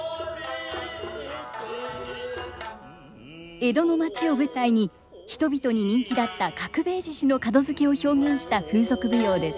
江戸の町を舞台に人々に人気だった角兵衛獅子の門付けを表現した風俗舞踊です。